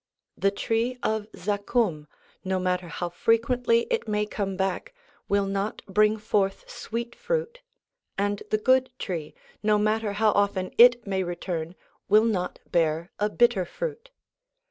The tree of Zaqqum, 1 no matter how frequently it may come back, will not bring forth sweet fruit, and the good tree, no matter how often it may return, will not bear a bitter fruit.